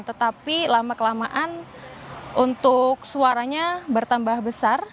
tetapi lama kelamaan untuk suaranya bertambah besar